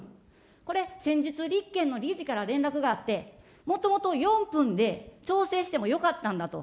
これ、先日、立憲の理事から連絡があって、もともと４分で調整してもよかったんだと。